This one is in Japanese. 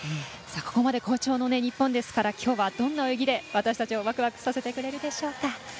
ここまで好調の日本ですからきょうはどんな泳ぎで私たちをワクワクさせてくれるでしょうか。